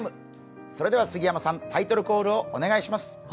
それでは杉山さんタイトルコールをお願いします。